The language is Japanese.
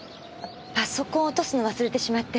パソコンを落とすのを忘れてしまって。